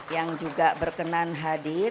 yang juga berkenan hadir